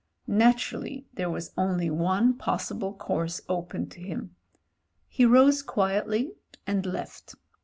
Naturally there was only one possible course open to him. He rose quietly, and left.